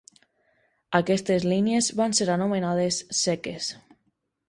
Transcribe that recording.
Aquestes línies van ser anomenades "ceques".